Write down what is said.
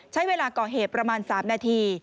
ใช้เวลาก่อเหตุประมาณ๓นาที